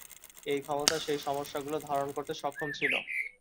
এই ক্ষমতা সেই সমস্যাগুলো ধারণ করতে সক্ষম ছিল।